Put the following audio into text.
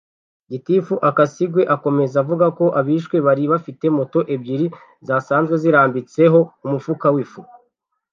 Gitifu Akasigwe akomeza avuga ko abishwe bari bafite moto ebyiri zasanzwe zirambitseho umufuka w’ifu y’ibigori